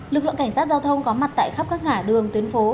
lực lượng cảnh sát giao thông có mặt tại khắp các ngã đường tuyến phố